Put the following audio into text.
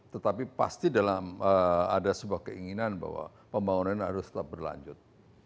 tetapi pasti dalam ada sebuah keinginan bahwa pembangunan harus tetap berlanjut